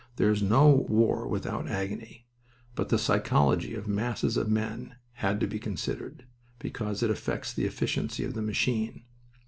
There is no war without agony. But the psychology of masses of men had to be considered, because it affects the efficiency of the machine.